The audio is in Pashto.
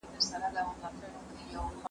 یخچال اوس کار کوي.